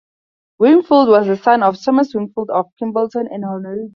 Wingfield was the son of Thomas Wingfield of Kimbolton and Honora Denny.